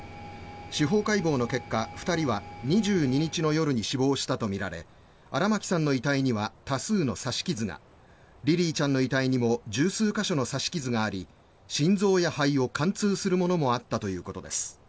司法解剖の結果２人は２２日の夜に死亡したとみられ荒牧さんの遺体には多数の刺し傷がリリィちゃんの遺体にも１０数か所の刺し傷があり心臓や肺を貫通するものもあったということです。